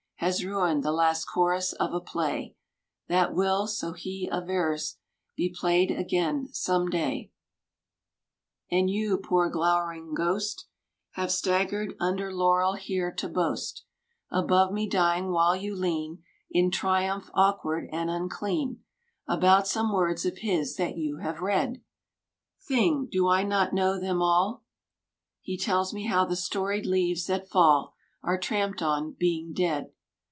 Has ruined the last chorus of a play Hiat will, so he avers, be played again some day; 135] And you, poor glowering ghosts Have staggered under laurel here to boast Above me, dying, while you lean In triumph awkward and unclean, About some words of his that you have read ? Thing, do I not know them all? He tells me how the storied leaves that fall Are tramped on, being dead